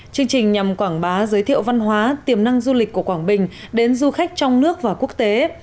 chương trình nhằm quảng bá giới thiệu văn hóa tiềm năng du lịch của quảng bình đến du khách trong nước và quốc tế